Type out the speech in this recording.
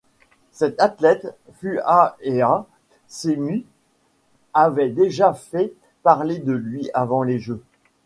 Cet athlète, Fuahea Semi, avait déjà fait parler de lui avant les Jeux.